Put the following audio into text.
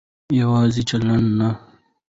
يواځې چلن نه